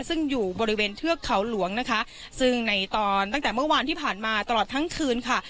ซึ่งอยู่บริเวณเทือกเขาหลวงนะคะซึ่งในตอนตั้งแต่เมื่อวานที่ผ่านมาตลอดทั้งคืนค่ะ